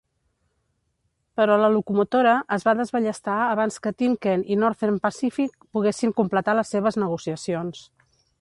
Però la locomotora es va desballestar abans que Timken i Northern Pacific poguessin completar les seves negociacions.